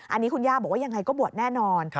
อันนี้คุณย่าบอกว่ายังไงก็บวชแน่นอน